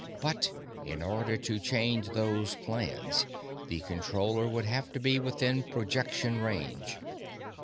But in order to change those plans, the Controller would have to be within projection range.